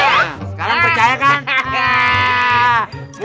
sekarang percaya kan